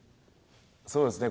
そうですね